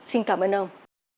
xin cảm ơn ông